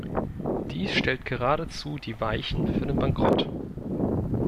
Dies stellt geradezu die Weichen für den Bankrott.